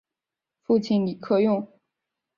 父亲李克用。